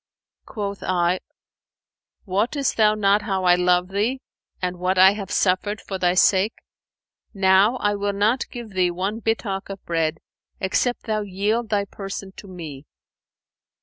Quoth I, 'Wottest thou not how I love thee and what I have suffered for thy sake? Now I will not give thee one bittock of bread except thou yield thy person to me.'